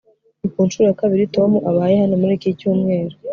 ni ku nshuro ya kabiri tom abaye hano muri iki cyumweru